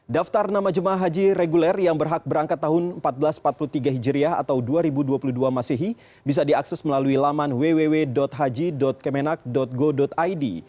daftar nama jemaah haji reguler yang berhak berangkat tahun seribu empat ratus empat puluh tiga hijriah atau dua ribu dua puluh dua masehi bisa diakses melalui laman www haji kemenak go id